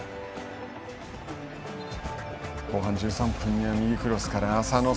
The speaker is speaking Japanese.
後半１３分には右クロスから浅野。